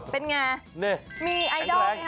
เป็นไงมีไอดอล